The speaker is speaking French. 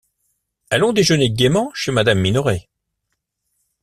Allons déjeuner gaiement chez madame Minoret.